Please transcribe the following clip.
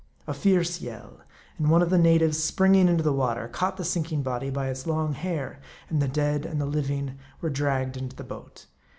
A fierce yell ; and one of the natives springing into the water, caught the sinking body by its long hair ; and the dead and the living were dragged into the boat.